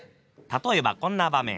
例えばこんな場面。